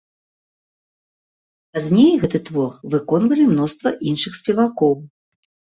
Пазней гэты твор выконвалі мноства іншых спевакоў.